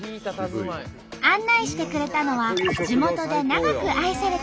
案内してくれたのは地元で長く愛されてきた食堂。